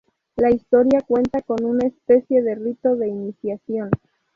La historia cuenta una especie de rito de iniciación.